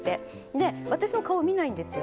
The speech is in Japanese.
で私の顔見ないんですよ